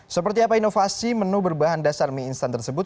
seperti apa inovasi menu berbahan dasar mi instant tersebut